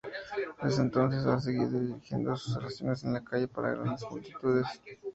Desde entonces, ha seguido dirigiendo sus oraciones en la calle para grandes multitudes.